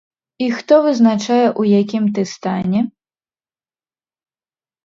І хто вызначае ў якім ты стане?